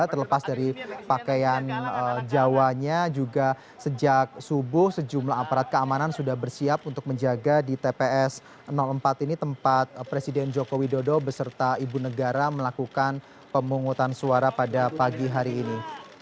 terlepas dari pakaian jawanya juga sejak subuh sejumlah aparat keamanan sudah bersiap untuk menjaga di tps empat ini tempat presiden joko widodo beserta ibu negara melakukan pemungutan suara pada pagi hari ini